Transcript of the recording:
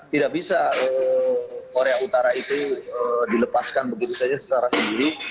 tidak bisa korea utara itu dilepaskan begitu saja secara sendiri